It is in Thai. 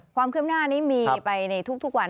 ความคืบหน้านี้มีไปในทุกวัน